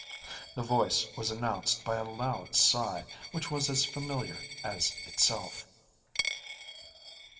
The voice was announced by a loud sigh, which was as familiar as itself.